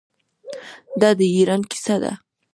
دا د ایران کیسه ده.